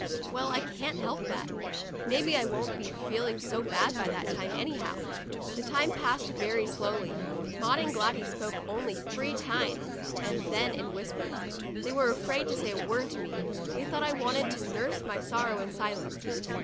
Well, I can't help that. Maybe I won't be feeling so bad by that time, anyhow." The time passed very slowly. Maud and Gladys spoke only three times, and then in whispers. They were afraid to say a word to me ; they thought I wanted to nurse my sorrow in silence.